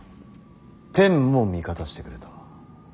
天も味方してくれた。